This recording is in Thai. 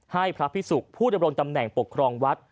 ให้พระภิกษุผู้เดียวลงตำแหน่งปกครองวัด